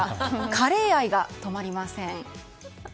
カレー愛が止まりません。